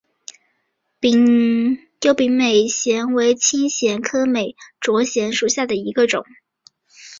疣柄美喙藓为青藓科美喙藓属下的一个种。